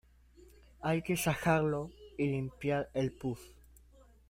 hay que sajarlo y limpiar el pus.